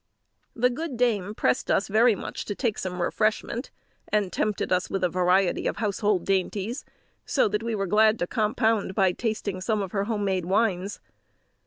The good dame pressed us very much to take some refreshment, and tempted us with a variety of household dainties, so that we were glad to compound by tasting some of her home made wines.